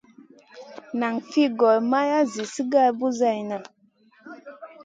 Nan fi gor mara zi sigar buseyna.